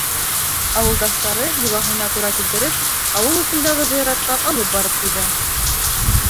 Ауылдаштары, йолаһына тура килтереп, ауыл осондағы зыяратҡа алып барып ҡуйҙы.